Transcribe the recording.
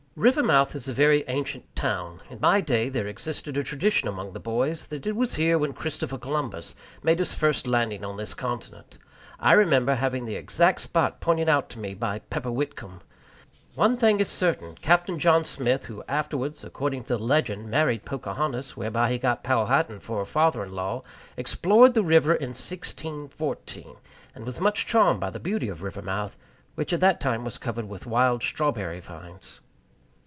Rivermouth is a very ancient town. In my day there existed a tradition among the boys that it was here Christopher Columbus made his first landing on this continent. I remember having the exact spot pointed out to me by Pepper Whitcomb! One thing is certain, Captain John Smith, who afterwards, according to the legend, married Pocahontas whereby he got Powhatan for a father in law explored the river in 1614, and was much charmed by the beauty of Rivermouth, which at that time was covered with wild strawberry vines.